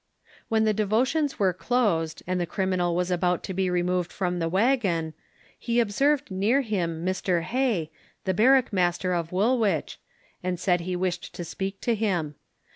When the devotions were closed, and the criminal was about to be removed from the waggon, he observed near him Mr Hay, the barrack master of Woolwich, and said he wished to speak to him.